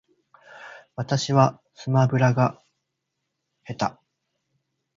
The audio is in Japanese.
私はスマブラが下手